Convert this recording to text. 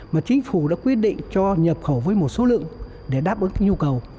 mà chính phủ đã quyết định cho nhập khẩu với một số lượng để đáp ứng cái nhu cầu